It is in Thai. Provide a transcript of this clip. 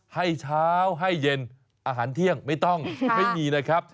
ให้เช้าให้เย็นอาหารเที่ยงไม่ต้องไม่มีนะครับ